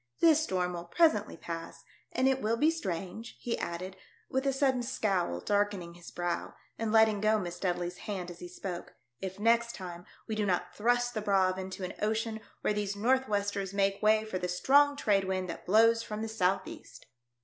'* This storm will presently pass, and it will be strange," he added, with a sudden scowl darkening his brow, and letting go Miss Dudley's hand as he spoke, "if next time we do not thrust the Braave into an ocean where these north westers make way for the strong trade wind that blows from the south east."